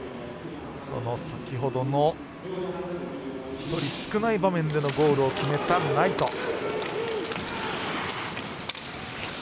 先ほどの１人少ない場面でのゴールを決めたナイト。